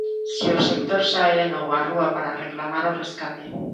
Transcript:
Si, o sector sae de novo á rúa para reclamar o rescate.